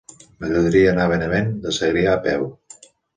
M'agradaria anar a Benavent de Segrià a peu.